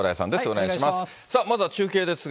お願いします。